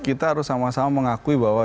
kita harus sama sama mengakui bahwa